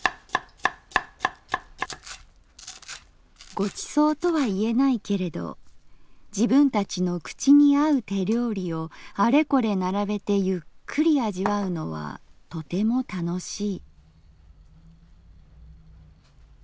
「ご馳走とは言えないけれど自分たちの口にあう手料理をあれこれ並べてゆっくり味わうのはとても楽しい」。